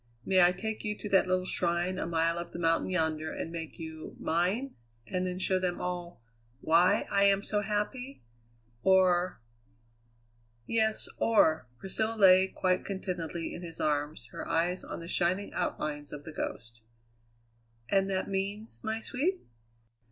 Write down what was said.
May I take you to that little shrine a mile up the mountain yonder and make you mine and then show them all why I am so happy? Or " "Yes. Or " Priscilla lay quite contentedly in his arms, her eyes on the shining outlines of The Ghost. "And that means, my sweet?"